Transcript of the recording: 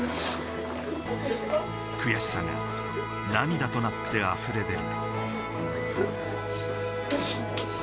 悔しさが涙となって溢れ出る。